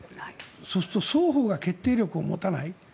そうすると双方が決定力を持たない。